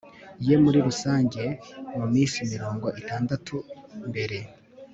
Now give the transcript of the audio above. ye muri rusange mu minsi mirongo itandatu mbere